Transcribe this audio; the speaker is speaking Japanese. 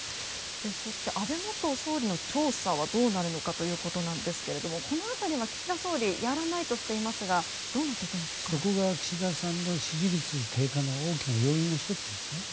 そして、安倍元総理の調査はどうなるのかということですがこの辺りは岸田総理やらないとしていますがそこが岸田さんの支持率低下の大きな要因の１つですね。